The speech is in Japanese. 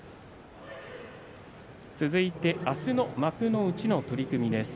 続いて明日の幕内の取組です。